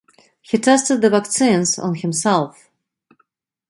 He tested the vaccines on himself.